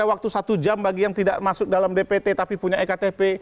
waktu satu jam bagi yang tidak masuk dalam dpt tapi punya ektp